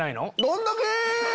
どんだけ！